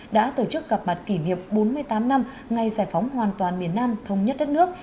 đã tổ chức gặp mặt kỷ niệm bốn mươi tám năm ngày giải phóng hoàn toàn miền nam thống nhất đất nước